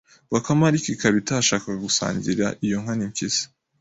Bakame ariko ikaba itashakaga gusangira iyo nka n'impyisi